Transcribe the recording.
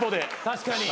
・確かに。